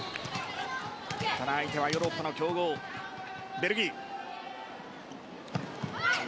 ただ相手はヨーロッパの強豪ベルギー。